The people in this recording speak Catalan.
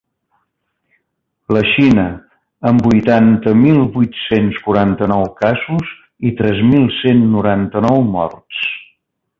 La Xina, amb vuitanta mil vuit-cents quaranta-nou casos i tres mil cent noranta-nou morts.